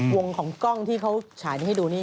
วงของกล้องที่เขาฉายนี้ให้ดูนี่